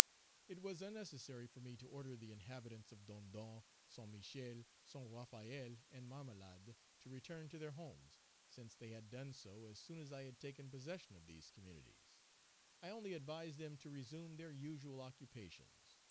It was unnecessary for me to order the inhabitants of Dondon, St. Michel, St. Raphaël and Marmelade to return to their homes, since they had done so as soon as I had taken possession of these communities; I only advised them to resume their usual occupations.